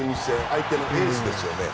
相手のエースですよね。